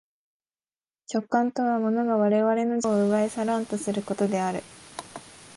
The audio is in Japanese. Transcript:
直観とは物が我々の自己を奪い去らんとすることである。